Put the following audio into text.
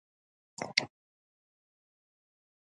დაკრძალეს ხომეინის მავზოლეუმში.